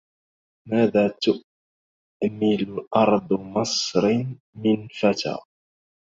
ماذا تؤمل أرض مصر من فتى